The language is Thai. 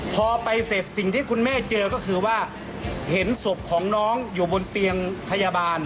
พอไปเสร็จสิ่งที่คุณแม่เจอก็คือว่าเห็นศพของน้องอยู่บนเตียงพยาบาล